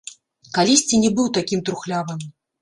Калісьці не быў такім трухлявым.